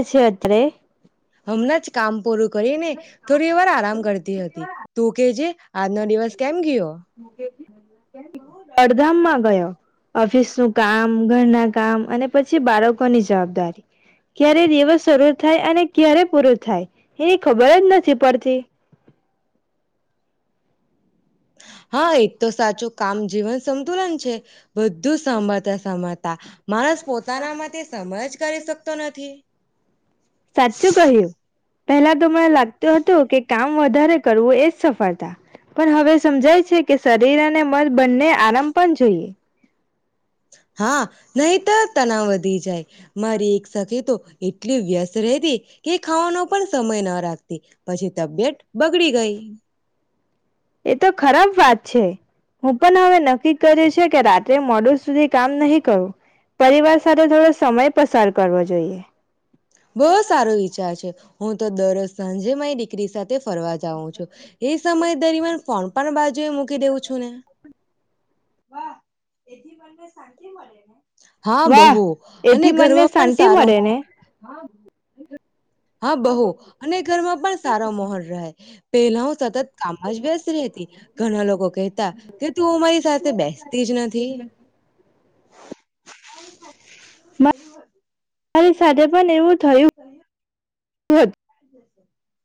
શશત્રે હમણાં જ કામ પૂરું. કરીને થોડી વાર આરામ કરતી હતી તું કેજે આજનો દિવસ કેમ ગયો મ બહુ દડધામમાં અડધામમાં ગયો ઓફિસ નું કામ ઘરના કામ અને પછી બાળકોની જવાબદારી ક્યારે દિવસ શરૂ થાય અને ક્યારે પૂરો થાય એની ખબર જ નથી પડતી. હા એ તો સાચું કામ જીવન સતુલન છે બધું સમાતા સમાંતા માણસ પોતાના માટે સમય જ કરી શકતો નથી. સાચું કહ્યું પેલા તો મને લાગતું હતું કે કામ વધારે કરવું એજ સફળતા પણ હવે સમજાય છે કે શરીર અને મન બંને આરામ પણ જોઈએ હા નહી તો તનાવધ દી જાય મારી એક સખી તો એટલી વ્યસ્ત રહેતી. કે ખાવાનો પણ સમય ના રાખતી પછી તબિયત. બગડી ગઈ એ તો ખરાબ વાત છે હું પણ હવે નક્કી કરીશ કે રાત્રે મોડ સુધી કામ નહીં કરવું પરિવાર સાથે થોડો સમય પસાર કરવો જોઈએ બો સારો વિચાર છે. હું તો દરરોજ સાંજે મારી દીકરી સાથે તે ફરવા જાવો છો એ સમય દરમિયાન પણ પણ બાજુ એ મૂકી દેઉં છું ને હા વાહ બહુ અને ઘરમાં પણ સારો માહોલ હા. હા બહુ અને ઘરમાં પણ સારો મહોલ રહે. પેલા હું સતત. કામ જ વ્યવસ્થ રહેતી ઘણા લોકો કહેતા કે તું અ મારી સાથે બેસતી જ નથી. મારી [inaudible] હદ.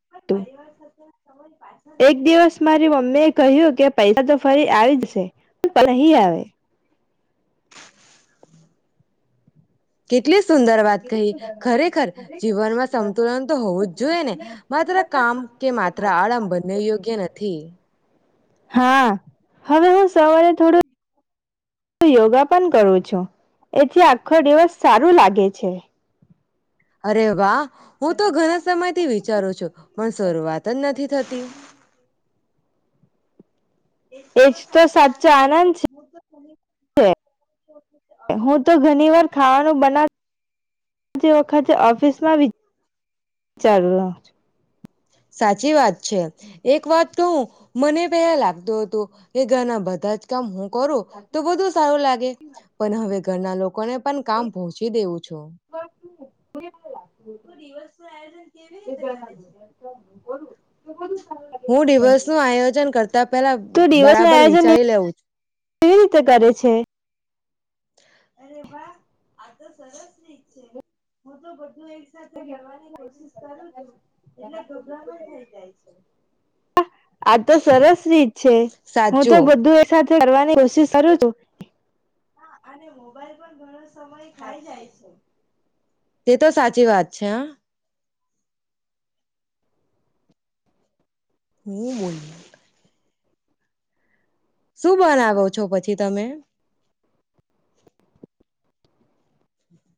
હ પરિવાર સાથે સમય પાછા એક નહી આવ્યો. દિવસ મારી મમ્મી એ કહ્યું કે પૈસા તો ફરી આવી જ છે પણ સમય નહી આવે. કેટલી સુંદર વાત કહી ખરેખર જીવનમાં સતુલન તો હોવું જ જોઈએ ને માત્ર કામ કે માત્ર આરામ બંને યોગ્ય નથી. હા. હવે હું સવારે થોડું યોગા પણ કરું છું. એથી આખો દિવસ સારું લાગે છે. અરે વા! હું તો ઘણા સમયથી વિચારું છું, પણ શરૂઆત જ નથી થતી. એજ તો સાચો આનંદ છે. હું તો ઘણી વાર ખાવાનું બનાવતા જે વખતે ઓફિસમાં વિચાર સાચી વાત છે. એક વાત કહું મને પહેલા લાગતું હતું કે ઘરના બધા જ કામ હું કોરું તો બધુ સારું લાગે પણ હવે ઘરના લોકો કો ને પણ કામ પહોંચી દેવું છો તો દિવસનું આયોજન કેવી રીતે કરે છે? હું દિવસનું આયોજન કરતા પેલા તું દિવસ નું બરાબર આયોજન વિચારી લેઉ છું. કેવી રીતે કરે છે અરે વા! આ તો સરસ રીત છે હું તો બધું [inaudible] આ તો સરસ રીત છે હું તો સાચું બધું એક સાથે કરવાની કોશિશ કરું છું. હા અને મોબાઈલ પણ ઘણો સમય ખાઈ જાય છે. તે તો સાચી વાત છે હા. હું બોલુ શું બનાવો છો પછી તમે? [inaudible]